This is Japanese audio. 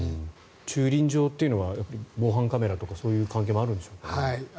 駐輪場というのは防犯カメラとかそういう関係もあるんでしょうか。